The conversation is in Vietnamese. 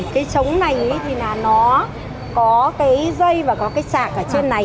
cái chống này thì là nó có cái dây và có cái chạc ở trên này